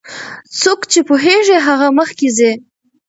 څوک چې پوهیږي هغه مخکې ځي.